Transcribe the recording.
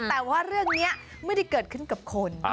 แต่ว่าเรื่องนี้ไม่ได้เกิดขึ้นกับคน